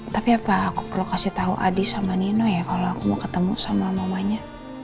tapi apa aku perlu kasih tahu adi sama nino ya kalau aku mau ketemu sama mamanya